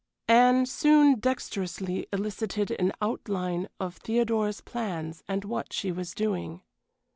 Anne soon dexterously elicited an outline of Theodora's plans and what she was doing.